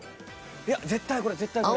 いや絶対これ絶対これ。